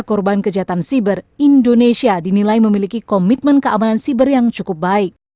korban kejahatan siber indonesia dinilai memiliki komitmen keamanan siber yang cukup baik